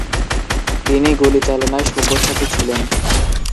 তিনি গুলিচালনায় সব্যসাচী ছিলেন।